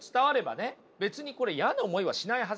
別にこれ嫌な思いはしないはずなんですよ。